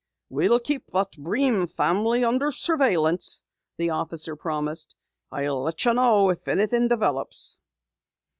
"We'll keep that Breen family under surveillance," the officer promised. "I'll let you know if anything develops."